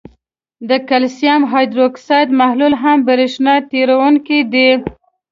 د کلسیم هایدروکساید محلول هم برېښنا تیروونکی دی.